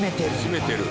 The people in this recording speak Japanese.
締めてる。